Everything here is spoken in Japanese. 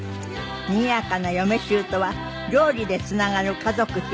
にぎやかな嫁姑は料理でつながる家族秘話を。